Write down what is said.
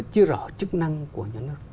chưa rõ chức năng của nhà nước